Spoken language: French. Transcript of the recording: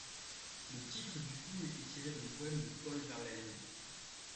Le titre du film est tiré d'un poème de Paul Verlaine.